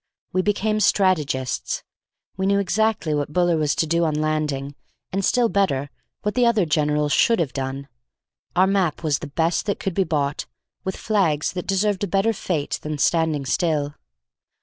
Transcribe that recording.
We became strategists. We knew exactly what Buller was to do on landing, and, still better, what the other Generals should have done. Our map was the best that could be bought, with flags that deserved a better fate than standing still.